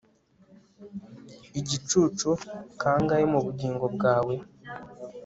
Igicucu kangahe mu bugingo bwawe